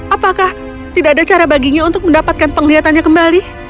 apakah tidak ada cara baginya untuk mendapatkan penglihatannya kembali